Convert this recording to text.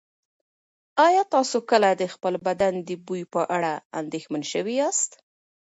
ایا تاسو کله د خپل بدن د بوی په اړه اندېښمن شوي یاست؟